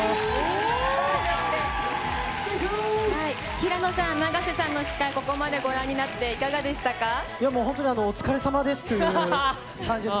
平野さん、永瀬さんの司会、ここまでご覧になって、いかがで本当にお疲れさまですという感じです。